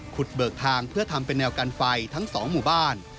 เบิกทางเพื่อทำเป็นแนวกันไฟทั้ง๒หมู่บ้าน